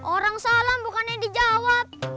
orang salam bukan yang dijawab